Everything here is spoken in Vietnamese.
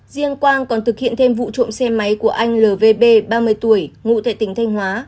riêng quang còn thực hiện thêm vụ trộm xe máy của anh lvb ba mươi tuổi ngụ thể tỉnh thanh hóa